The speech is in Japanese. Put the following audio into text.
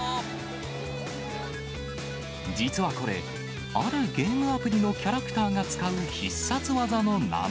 実はこれ、あるゲームアプリのキャラクターが使う必殺技の名前。